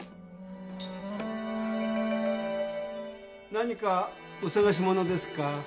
・何かお探し物ですか？